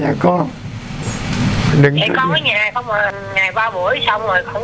vậy con ở nhà con một ngày ba buổi xong rồi